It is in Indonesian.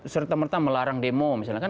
serta merta melarang demo misalnya kan